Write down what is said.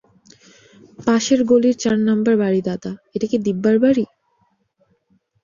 পাশের গলির চার নম্বর বাড়ি দাদা, এটা কি দিব্যার বাড়ি?